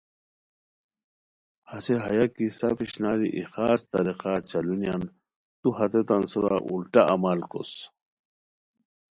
ہسے ہیہ کی سف اشناری ای خاص طریقا چالونیان، تو ہتیتان سورا الٹا عمل کوس